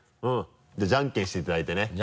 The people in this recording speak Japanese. じゃあじゃんけんしていただいてね。